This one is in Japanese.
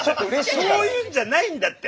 そういうんじゃないんだって！